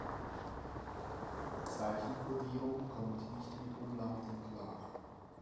Die Zeichenkodierung kommt nicht mit Umlauten klar.